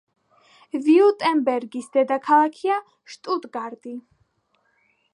ვიურტემბერგის დედაქალაქია შტუტგარტი.